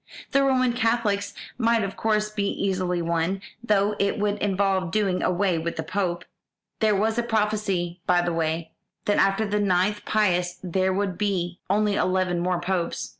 The Roman Catholics might of course be easily won, though it would involve doing away with the Pope. There was a prophecy, by the way, that after the ninth Pius there would be only eleven more Popes.